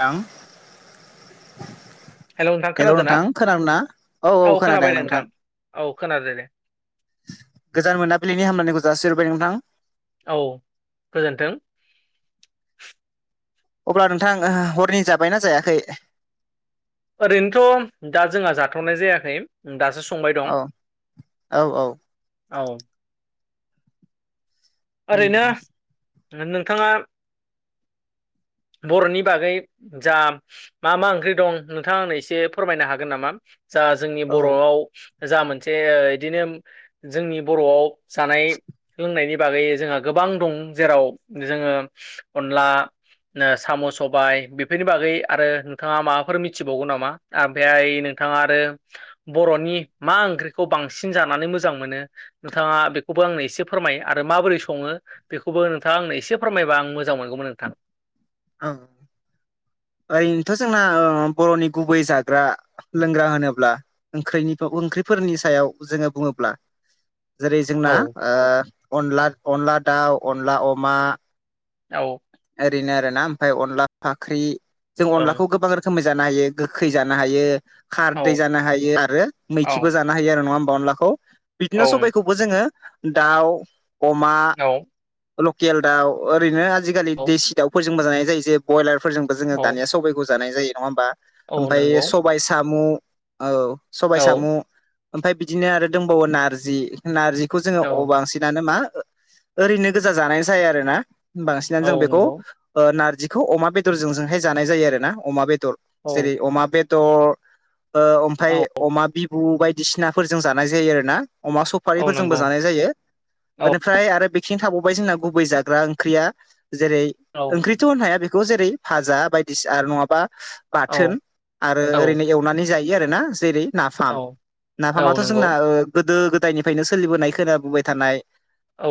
थां हेल' नोंथां हेलौ खोनादों ना? नोंथां खोनादों ना औ औ खोनादों नोंथां औ खोनादो दे गोजान मोनाबिलिनि हामलायनायखौ जासिहरबाय नोंथां औ गोजोन्थों अब्ला नोंथां हरनि जाबायना जायाखै ओरैनोथ' दा जोंहा जाथ'नाय जायाखै दासो संबाय औ दं औ औ औ ओरैनो नोंथांङा बर'नि बागै जा मा मा ओंख्रि दं नोंथांङा आंनो एसे फोरमायनो हागोन नामा जा जोंनि औ बर'आव जा मोनसे उदिनो जोंनि बर'आव जानाय लोंनायनि बागै जोंहा गोबां दं जेराव जोंङो अनला साम' सबाय बेफोरनि बागै आरो नोंथांङा माबाफोर मिथिबावगो नामा? [unintelligible] नोंथांङा आरो बर'नि मा ओंख्रिखौ बांसिन जानानै मोजां मोनो नोंथांङा बेखौबो आंनो एसे फोरमाय आ माबोरै संङो बेखौबो नोंथाङा आंनो एसे फोरमायबा आं मोजां मोनगौमोन नोंथां औ ओरैनोथ' जोंना बर'नि गुबै जाग्रा लोंग्रा होनोब्ला ओंख्रैनि ओंख्रिफोरनि सायाव जोंङो बुंङोब्ला। जेरै जोंना औ ओ अनला अनला दाउ अनला अमा औ ओरैनो आरो ना ओमफाय अनला फाख्रि जों ओं अनलाखौ गोबां रोखो गोखोमै जानो हायो गोखै जानो हायो खारदै औ जानो हायो आरो मैखिबो औ जानो हमनो हायो नंङा होनबा अनलाखौ औ बिदिनो सबबायखौबो जोंङो दाउ अमा लकेल दाउ ओरैनो आजिखालि औ देसि दाउफोर जोंबो जानाय जायो जे ब्रयलार फोरजोंबो जो औ दानिया सबायखौ जानाय जायो नंङा होमबा औ ओमफाय नंगौ सबाय साम' औ सबायाइ साम' औ ओमफाय बिदिनो आरो दंबावो नारजि नारजिखौ जोंङो औ अ बांसिनानो मा ओरैनो गोजा जानाय जाया आरो ना बांसिनानो औ जों बेखौ नंगौ ओ नारजिखौ अमा बेदरजों जों जानाय जायो आरोना अमा बेदर औ जेरै अमा बेदर ओमफाय औ अमा बिबु बायदिसिनाफोरजों जानाय जायो आरो ना अमा औ सफारिफोरजोंबो नंगौ जानाय जायो। औ बेनिफ्राय आरो बेखिनि थाबावबाय जोंना गुबै जाग्रा ओंख्रिया जेरै औ ओंख्रि [unintelligible] हाया बेखौ जेरै फाजा बायदिसिना आरो नंङाबा औ बाथोन आरो ओरैनो एवनानै जायो आर ना जेरै - नाफाम औ औ नाफामाथ' नंगौ जोंना ओ गोदो गोदायनिफायनो सोलिबोनाय खोनाबोबाय थानाय औ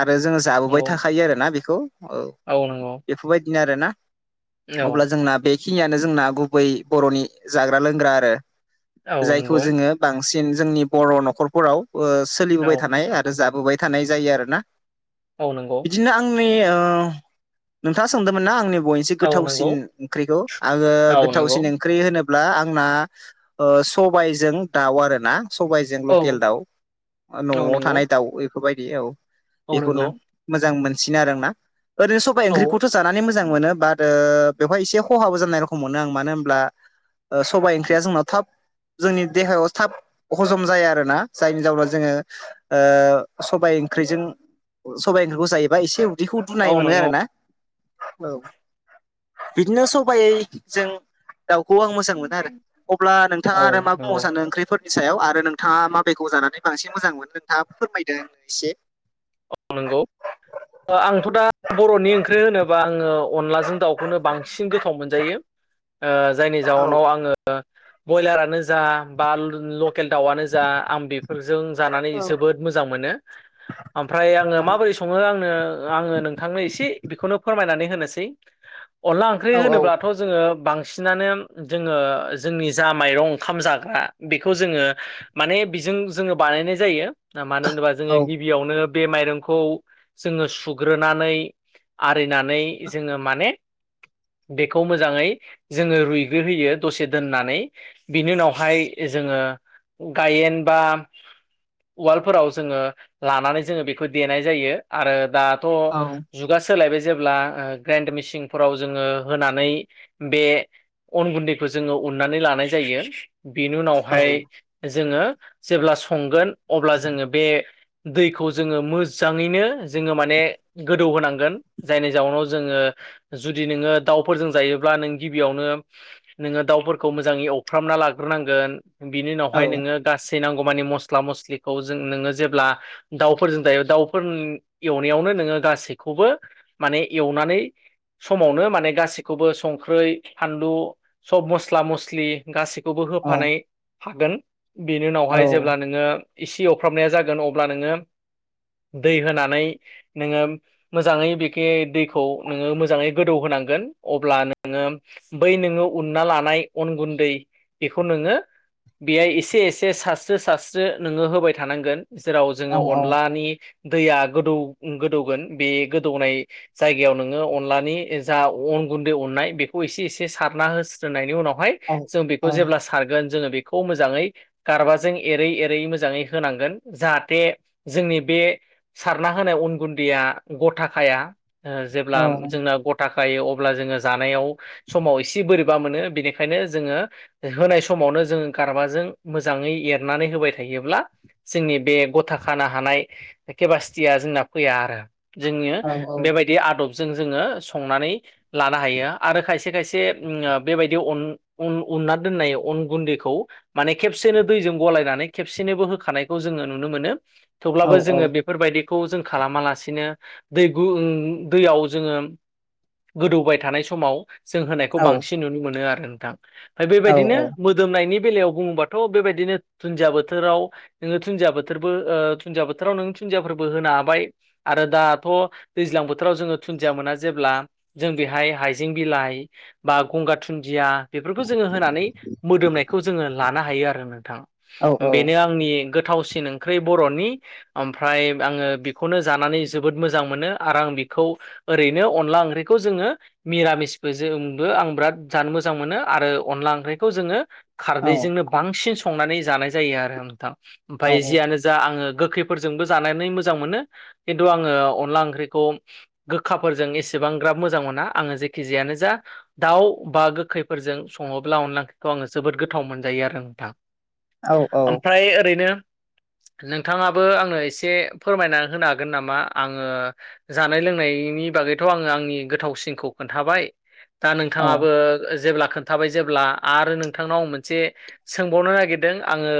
आरो जोंङो जाबोबाय नंगौ थाखायो आरोना बेखौ औ औ नंगौ बेफोरबायदिनो आरो ना अब्ला औ जोंना बेखिनियानो जोंना गुबै बर'नि जाग्रा लोंग्रा आरो औ जायखौ नंगौ जोंङो बांसिन जोंनि बर' न'खरफोराव ओ सोलिबोबाय औ थानाय आरो जाबोबाय थानाय जायो आरो ना। औ नंगौ इदिनो आंनि ओ नोंथांङा सोंदोंमोन ना आंनि मोनसे गोथावसिन ओंख्रिखौ आंङो औ गोथावसिन नंगौ ओख्रि होनोब्ला आंना ओ सबायजों दाउ आरोना सबायाइजों लकेल दाउ औ न'आव नंगौ थानाय दाउ बेफोरबायदि औ बेखौनो मोजां मोनसिनो आरों ना ओरैनो सबबाय औ ओंख्रिखौथ' जानानै मोजां मोनो। बादो बेवहाय एसे खहाबो जानाय रखोम मोनो आं मानो होनोमब्ला सबायाइ ओंख्रिया जोंनाव थाब जोंनि देहायाव थाब हजम जाया आरोना जायनि जाउनाव जोंङो। ओ सबाइ ओंख्रिजों सबाइ ओंख्रिखौ जायोबा एसे उदैखौ औ नंगौ औ नंगौ औ दुनाय मोनो नंगौ आरो ना औ बिदिनो सबायजों दाउखौ आं मोजां मोना आरो अब्ला नोंथांङा औ आरो मा नंगौ बुंबावनो सानो ओंख्रिफोरनि नसायाव आरो नोंथाङा माबेखौ जानानै बांसिन मोजां मोनो नोंथाङा फोरमायदो एसे औ नंगौ आंथ' दा बर'नि ओंख्रि होनोबा आंङो अनलाजों दाउखौनो बांसिन गोथाव मोनजायो ओ जायनि औ जाउनाव आंङो ओ ब्रयलारानो जा बा लकेल दाउआनो जा आं बि फोर जों जानानै औ जोबोद मोजां मोनो। फ्राय आंङो माबोरै संङो आंनो आंङो नोंथांनो एसे बेखौनो फोरमायनानै होनोसै। अनला ओंख्रि औ औ होनोब्लाथ' जोंङो बांसिनानो जोंङो जोंनि जा माइरं ओंखाम जाग्रा बेखौ जोंङो ‌ माने बिजों जोंङो बानायनाय जायो मानो होनोबा जोंङो औ गिबियावनो बे माइरंखौ जोंङो सुग्रोनानै आरिनानै जोंङो माने बेखौ मोजांङै जोंङो रुइग्रोहोयो दसे दोननानै बिनि उनावहाय जोंङो गायेन बा उवालफोराव जोंङो लानानै जोंङो बेखौ देनाय जायो आरो दाथ' जुगा सोलायबाय जेब्ला ग्रेन्ड मेसिनफोराव जोंङो होनानै बे अन गुन्दैखौ जोंङो उननानै लानाय जायो बेनि उनावहाय जोंङो जेब्ला संगोन अब्ला जोंङो बे दैखौ जोंङो मोजांङैनो जोंङो माने गोदौ होनांगोन जायनि जाउनाव जोंङो जुदि नोंङो दाउफोरजों जायोब्ला नों गिबियावनो नोंङो दाउफोरखौ मोजांङै एवफ्रामना लाग्रोनांगोन। बिनि उनावहाय नोंङो गासै नांगौमानि मस्ला मस्लिखौ जों नोंङो जेब्ला दाउफोरजों जायो दाउफोर एवनायावनो नोंङो गासैखौबो माने एवनानै समावनो माने गासिखौबो संख्रै फानलु सब मस्ला मस्लि गासिखौबो होफानाय हागोन बेनि उनावहाय जेब्ला नोंङो इसे एवफ्रामनाया जागोन अब्ला नोंङो दै होनानै नोंङो मोजांङै बेखे दैखौ नोंङो मोजांङै गोदौ होनांगोन अब्ला नोंङो बै नोंङो उनना लानाय अन गुन्दै बेखौ नोंङो बेहाय एसे एसे सारस्रो सारस्रो नोंङो होबाय थानांगोन जेराव जोंङो अन नि दैया गोदौ गोदौगोन बे गोदौनाय जायगायाव नोंङो अनलानि जा अन गुन्दै उननाय बेखौ एसे एसे सारना होस्रोनायनि उनावहाय जों बेखौ जेब्ला सारगोन जोंङो बे खौ मोजांङै गारबाजों एरै एरै मोजांङै होनांगोन जाहाथे जोंनि बे सारना होनाय उन गुन्दैया गथाखाया। ओ जेब्ला जोंना गथा खायो अब्ला जोंङो जानायाव समाव एसे बोरैबा मोनो बेनिखायनो जोंङो ओ होनाय समावनो जोंङो गारबाजों मोजांङै एरनानै होबाय थायोब्ला जोंनि बे गथा खाना हानाय केपासष्टिया जोंना फैया आरो जोंङो बेबाय बे आदबजों जोंङो संनानै लानो हायो आरो खायसे खायसे ओम बेबायदि अन उन उनना दोननाय अन गुन्दैखौ माने खेबसेनो दैजों गलायनानै खेबसेनोबो होखानायखौ जोंङो नुनो मोनो थेवब्लाबो जोंङो बे बेफोरबायदिखौ जों खालामालासिनो दै गु ओ दैयाव जोंङो गोदौबाय थानाय समाव जों होनायखौ बांसिन नुनो मोनो आरो नोंथां फाय बेबायदिनो मो दोमनायनि बेलायाव बुंङोबाथ बेबायदिनो दुन्दिया बोथोराव नोंङो थुन्दिया बोथोर बो ओ दुुन्दिया बोथोराव नों थुन्दियाफोरबो होनो हाबाय। आरो दा थ' दैज्लां बोथोराव जोंङो थुन्दिया मोना जेब्ला जों बेहाय हाइजें बिलाइ बा गंगार थुन्दिया बेफोरखौ जोंङो होनानै मोदोमनायखौ जोंङो लानो हायो आरो नोंथां। बेनो आंनि गोथावसिन ओंख्रै बर'नि ओमफ्राय आंङो बेखौनो जानानै जोबोद मोजां मोनो आर आं बेखौ ओरैनो अनला ओंख्रिखौ जोङो मिरामिसबो जोंबो आं बिराद जानो मोजां मोनो आरो अनला ओंख्रिखौ जोङो खारदैजोंनो बांसिन संनानै जानाय जायो आरो नोंथां ओमफाय जियानो जा आङो गोखैफोरजोंबो जानानै मोजां मोनो खिन्थु आङो अनला ओंख्रिखौ गोखाफोरजों एसेबांग्राब मोजां मोना आङो जेखिजायानो जा दाउ बा गोखैफोरजों सङोब्ला अनला ओंख्रिखौ आङो जोबोद गोथाव मोनजायो आरो नोंथां। ओमफ्राय ओरैनो नोंथाङाबो आंनो एसे फोरमायना होनो हागोन नामा? आङो जानाय लोंनायनि बागैथ' आङो आंनि गोथावसिनखौ खोन्थाबाय। दा नोंथाङाबो जेब्ला खोन्थाबाय जेब्ला आरो नोंथांनाव मोनसे सोंबावनो नागिरदों आङो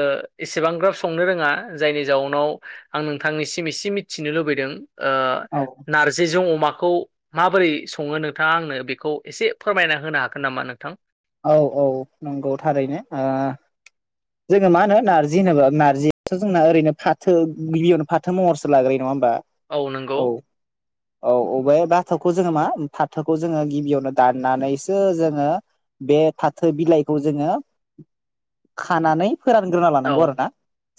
एसेबां ग्राब संनो रोङा। जायनि जाउनाव आं नोंथांनिसिम एसे मिथिनो लुबैदों ओ नार जे जों अमाखौ माबोरै सङो नोंथाङा आंनो बेखौ एसे फोरमायना होनो हागोन नामा नोंथां? औ औ नंगौ थारैनो ओ जोङो मा होनो नारजि होनोबा नारजिआथ' जोंना ओरैनो फाथो गिबियावनो फा थां महरसो लाग्रोयो नङा होमबा? औ। औ अबे बाथौखौ जोङो मा फाथोखौ जोङो गिबियावनो दाननानैसो जोङो बे फाथो बिलाइखौ जोङो खानानै फोरानग्रोना लानांगौ आरो औ ना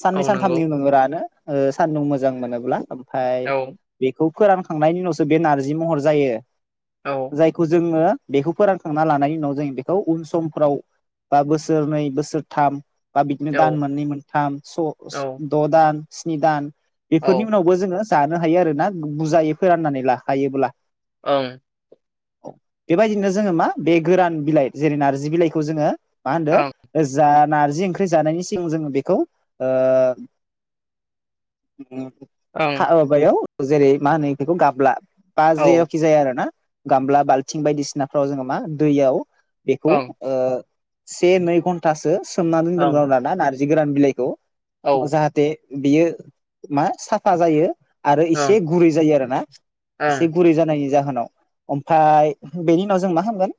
साननै औ नंगौ सानथामनि उनावनो रानो ओ सानदुं मोजां मोनोब्ला। ओमफ्राय औ बेखौ फोरानखांनायनि उनावसो बे नारजि महर जायो। औ जायखौ जोङो बेखौ फोरानखांना लानायनि उनाव जों बे खौ उन समफ्राव बा बोसोरनै बोसोरथाम बा बिदिनो दान औ मोननै मोनथाम स' औ द' दान, स्नि दान बेफोरनि औ उनाव बो जोङो जानो हायो आरोना? बुरजायै फोराननानै लाखायोब्ला। ओं। बेबायदिनो जोङो मा बे गोरान बिलाइ जेरै नारजि बिलाइखौ जोङो मा ओं होनदों जा नारजि ओं ख्रि जानायनि सिगां जोङो बेखौ ओ हा ओं माबायाव जेरै मा होनो बेखौ गाबला बा औ जेखि जाया आरो ना गामब्ला बाल्थिं बायदिसिनाफ्राव जोङो मा दैयाव बेखौ ओं ओ से, नै घन्टासो सोमना ओं दोनदों [unintelligible] जि गोरान बिलाइखौ औ ओं जाहाथे बियो मा साफा जायो। आरो एसे ओं गुरै जायो आरो ना? एसे गुरै जानायनि जाहोनाव ओमफ्राय बेनि उनाव जों मा खालामगोन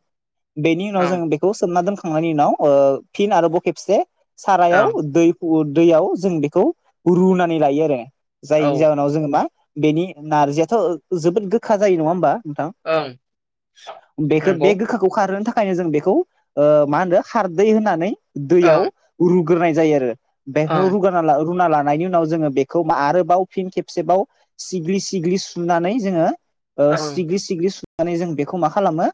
बेनि उनाव ओं जों बे सोमना दोनखांनायनि उनाव ओ फिन आरोबाव खेबसे ओं सारायाव दै दैयाव जों बेखौ रुनानै लायो आरो जाय औ जा उनाव जोङो मा बेनि नारजियाथ' जोबोद गोखा जायो नङा होमबा? नोंथां ओं बेखो नंगौ बे गोखा खौ खारहोनो थाखायनो जों बेखौ ओ मा होनो खारदै होनानै दैयाव ओं रुग्रोनाय जायो आरो बेखौ ओं रुगार रुना ला रुना लानायनि उनाव जोङो बेखौ मा आरोबाव फिन खेबसेबाव सिग्लि सिग्लि सुनानै जोङो ओ‌ ओं सिग्लि सिग्लि सुनानै जों बेखौ मा खालामो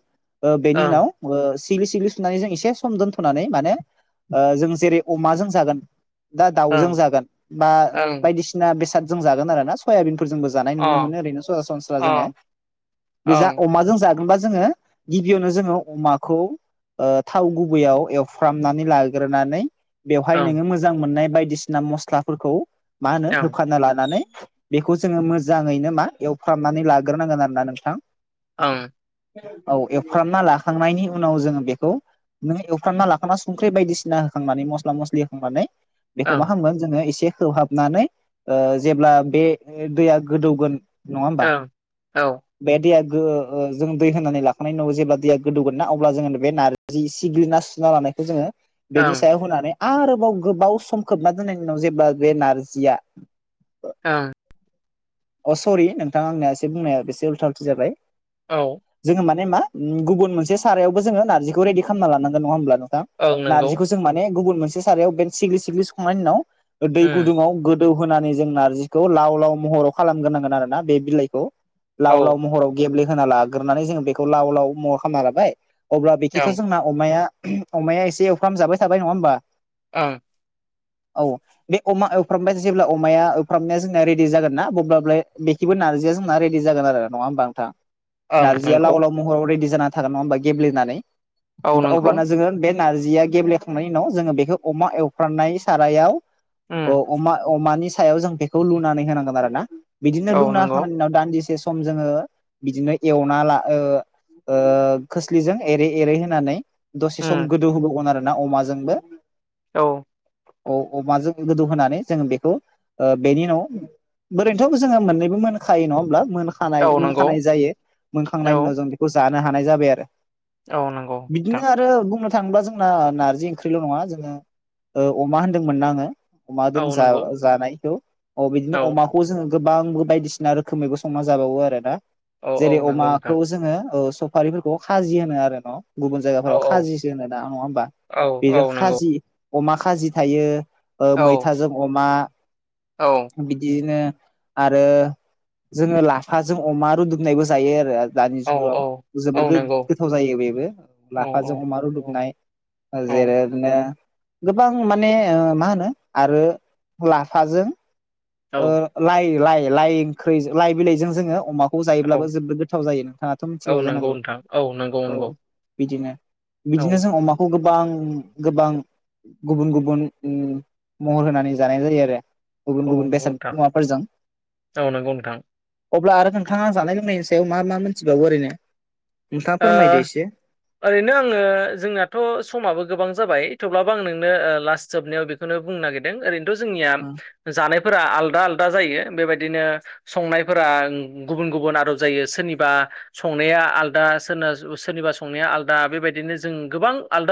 ओ बेनि ओं उनाव ओ सिग्लि सिग्लि सुनानै जों एसे सम दोन्थ'नानै माने ओ जों जेरै अमाजों जागोन दा ओं दाउजों जागोन बा ओं बायदिसिना बेसादजों जागोन आरो ना सयाबिनफोरजोंबो जानाय अ नुनो मोनो ओरैनो सरासनस्रा जोङो अ बिजा ओं अमाजों जा होमबा जोङो गिबियावनो जोङो अमाखौ ओ थाव गुबैयाव एवफ्रामनानै लाग्रोनानै बेवहाय नोङो मो जां मोननाय बायदिसिना मस्लाफोरखौ मा होनो ओं होफाना लानानै बेखौ जोङो मोजाङैनो मा एवफ्रामनानै लाग्रोनांगोन आरो ना नोंथां। ओं। औ एवफ्रामना लाखांनायनि उनाव जोङो बेखौ नों एवफ्रामना लाखाना संख्रि बायदिसिना होखांनानै मस्ला मस्लि होखांनानै बेखौ ओं ओं मा खालामगोन जोङो एसे खोबहाबनानै ओ जेब्ला बे दैया गोदौगोन नङा होमबा? ओं औ बे दैया गो ओ जों दै होनानै लाखांनायनि उनाव जेब्ला दैया गोदौगोन ना अब्ला जोङो बे नारजि सिग्लिना सुना लानायखौ जोङो बेनि ओं सायाव होनानै आरोबाव गोबाव सम खोबना दोननायनि उनाव जेब्ला बे नारजिया आ अ सरि नोंथां आंनिया एसे बुंनाया एसे उल्था उल्थि जाबाय। औ। जोङो माने मा उम गुबुन मोनसे सारायावबो जोङो नारजिखौ रेडि खालामना लानांगोन नङा होमब्ला नोंथां? ओं नंगौ नारजिखौ जों माने गुबुन मोनसे सारायाव बे सिग्लि सिग्लि सुखांनायनि उनाव दै उम गुदुङाव गो दौ होनानै जों नारजिखौ लाव लाव महराव खालामग्रोनांगोन आरोना बे बिलाइखौ औ लाव लाव महराव दो गेब्ले होना लाग्रोनानै जोङो बेखौ लाव लाव महर खालामना लाबाय अब्ला बेखिथ' ओं जोंनाव अमाया अमाया एसे एवफ्राम जाबाय थाबाय नङा होमबा? आ औ। बे अमा एवफ्रामनाया जेब्ला अमाया एवफ्रामनाया जोंना रेडि जागोन ना बब्ला बे खिबो नारजि आ जोंना रेडि जागोन आरो नङा होमबा नोंथां? ओं नारजिया नंगौ लाव लाव महराव रेडि जानानानै थागोन नङा होमबा गेब्लेनानै औ नंगौ अब्ला जोङो बे नारजिया गेब्लेखांनायनि उनाव जोङो बेखौ अमा एवफ्रानाय सारायाव अ उम अमा अमानि सायाव जों बेखौ लुनानै होनांगोन आरो ना बिदिनो औ लुना नंगौ होनायाव दान्दिसे सम जोङो बिदिनो एवना ला ओ खोस्लिजों एरै एरै होनानै दसे सम उम गोदौ होबोावगोन आरोना अमाजोंबो। औ औ अमाजों गोदौ होनानै जोङो ओ बेखौ बेनि उनाव बोरैनथ' जोङो मोननैबो मोनखायो। नङा होमब्ला? मोन खानाय औ नंगौ मोनखानाय जायो औ मोनखांनायनि उनाव जों बेखौ जानो हानाय जाबाय आरो। औ नंगौ। बिदिनो नोंथां आरो बुंनो थाङोब्ला जोंना नार्जि ओंख्रिल' नङा। जोङो, अमा होनदोंमोनना आङो? अमादों औ नंगौ जा-जानायखौ अ औ बिदिनो अमा खौ जोङो गोबांबो बायदिसिना रोखोमैबो संना जाबावो आरोदा। औ औ जेरै नंगौ नोंथां अमाखौ जोङो ओ सफारिफोरखौ खाजि होनो आरो न'। गुबुन औ जायगाफोराव औ खाजिसो होनो दा नङा होमबा? औ औ बेबो नंगौ खाजि अमा खाजि थायो ओ औ मैथाजों अमा औ बिदिनो आरो जोङो लाफाजों अमा रुदुमनायबो जायो आरो दानि औ जुगाव औ जोबोर नंगौ गो-गोथाव जायो बेबो औ लाफाजों अमा औ रुदुंनाय। जेरै बिदिनो गोबां माने मा होनो आरो लाफाजों औ ओ लाइ लाइ लाइ ओंख्रि लाइ बिलाइजों जोङो अमा खौ जायोब्लाबो औ जोबद गोथाव जायो। नोंथाङाथ' औ मिथिगौ नंगौ जानांगौ? नोंथां औ नंगौ औ। नंगौ बिदिनो औ बिदिनो जों अमाखौ गोबां गोबां गुबुन गुबुन उ महर होनानै जानाय जायो आरो। गुबुन औ गुबुन नंगौ बेसाद नोंथां मुवाफोरजों। औ नंगौ नोंथां अब्ला आरो खोनथाङा जानाय लोंनायनि सायाव मा मा मोन्थिबावो ओरैनो? नोंथाङा ओ फोरमायदो एसे ओरैनो आङो जोंनाथ' समाबो गोबां जाबाय थेवब्लाबो आं नोंनो लास्ट जोबनायाव बेखौनो बुंनो नागिर दों ओरैनोथ' जोंनिया ओ जानायफोरा आलदा आलदा जायो। बेबायदिनो संनायफोरा गुबुन गुबुन आदब जायो सोरनिबा संनाया आलादा सोरना सोरनिबा संनाया आलादा बेबायदिनो जों गोबां आलादा